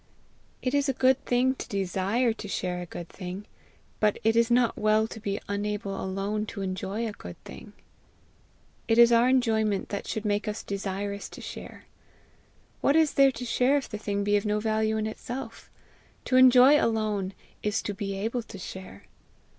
It is a good thing to desire to share a good thing, but it is not well to be unable alone to enjoy a good thing. It is our enjoyment that should make us desirous to share. What is there to share if the thing be of no value in itself? To enjoy alone is to be able to share.